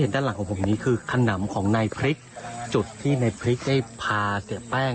คุณส่วนครับได้ด้านหลังตรงนี้คือทะน่ำของในพลิกจุดที่ในพลิกให้พาเสียแป้ง